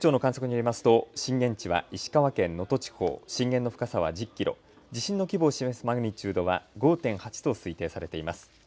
気象庁の観測によりますと震源地は石川県能登地方震源の深さは１０キロ地震の規模を示すマグニチュードは５．８と推定されています。